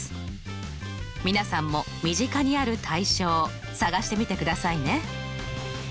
皆さんも身近にある対称探してみてくださいね。